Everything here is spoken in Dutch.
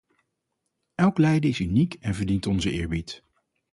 Elk lijden is uniek en verdient onze eerbied.